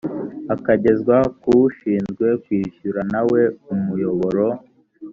akagezwa k’ushinzwe kwishyura na we umuyoboro